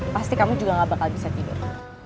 pasti kamu juga gak bakal bisa tidur